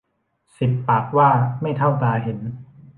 สิบปากว่าไม่เท่าตาเห็น